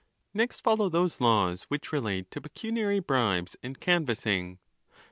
; XX. Next follow those laws which relate to pecuniary bribes and canvassing.